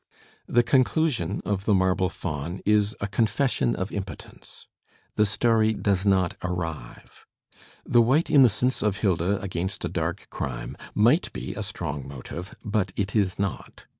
The "Conclusion" of "The Marble Faun" is a confession of impotence. The story does not arrive. The white innocence of Hilda against a dark crime might be a strong motive, but it is not.